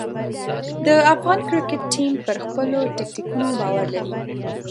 د افغان کرکټ ټیم پر خپلو ټکتیکونو باور لري.